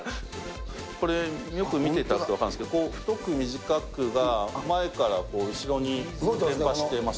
これよく見ていただくと分かるんですけど、太く短くが前から後ろに伝播してます。